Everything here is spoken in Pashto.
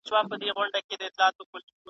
زلزلې نه ګوري پښتون او فارسي وان وطنه .